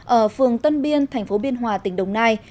ở phường tân biên thành phố biên hòa tỉnh đồng nai